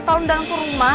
tolong dalam ke rumah